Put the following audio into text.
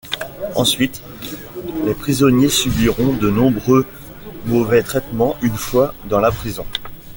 Ensuite, les prisonniers subiront de nombreux mauvais traitements une fois dans la prison.